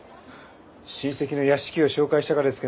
親戚の屋敷を紹介したがです